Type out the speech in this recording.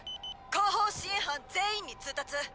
後方支援班全員に通達。